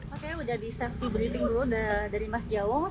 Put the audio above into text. oke sudah di safety breathing dulu dari mas jawong